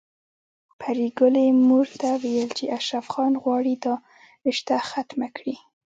پري ګلې مور ته ويل چې اشرف خان غواړي دا رشته ختمه کړي